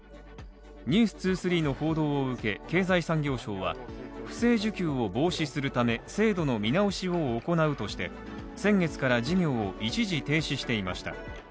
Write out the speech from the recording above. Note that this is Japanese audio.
「ｎｅｗｓ２３」の報道を受け、経済産業省は、不正受給を防止するため制度の見直しを行うとして、先月から事業を一時停止していました。